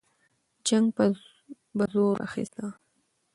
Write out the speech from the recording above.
جنګ به زور اخیسته.